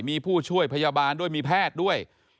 มีผู้ช่วยพยาบาลด้วยมีแพทย์ด้วย